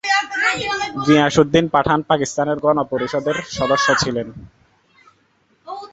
গিয়াসউদ্দিন পাঠান পাকিস্তানের গণপরিষদের সদস্য ছিলেন।